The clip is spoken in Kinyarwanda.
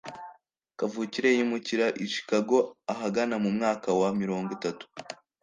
kavukire yimukira i chicago ahagana mu mwaka wa mirongo itatu